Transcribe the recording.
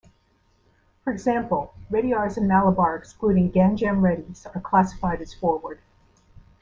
For example, Reddiars in Malabar excluding Ganjam Reddys are classified as forward.